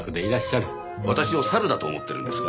私をサルだと思ってるんですか？